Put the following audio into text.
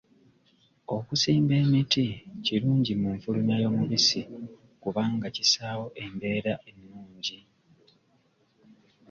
Okusimba emiti kirungi mu nfulumya y'omubisi kubanga kissaawo embeera ennungi.